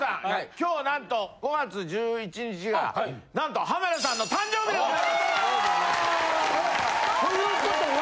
今日なんと５月１１日がなんと浜田さんの誕生日でございます！ということは。